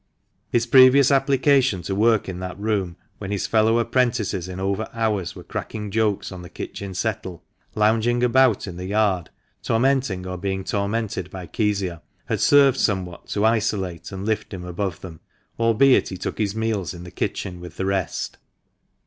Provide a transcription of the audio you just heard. His previous application to work in that room, when his fellow apprentices in over hours were cracking jokes on the kitchen settle, lounging about the yard, tormenting or being tormented by Kezia, had served somewhat to isolate and lift him above them, albeit he took his meals in the kitchen with the rest.